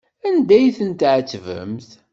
Anda ay ten-tɛettbemt?